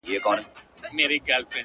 خدایه زموږ ژوند په نوي کال کي کړې بدل ـ